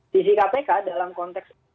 sisi kpk dalam konteks